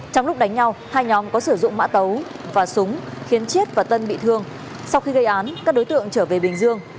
trong lúc đánh nhau hai nhóm có sử dụng mã tấu và súng khiến chiết và tân bị thương sau khi gây án các đối tượng trở về bình dương